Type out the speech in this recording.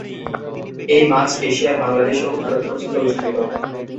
এই মাছ এশিয়ার বাংলাদেশ ও ভারত পর্যন্ত বিস্তৃত।